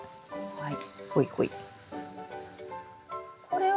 はい。